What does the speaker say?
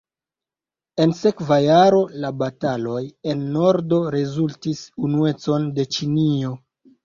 En sekva jaro, la bataloj en nordo rezultis unuecon de Ĉinio.